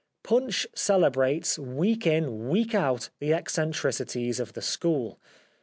Punch celebrates week in week out the eccentricities of the school.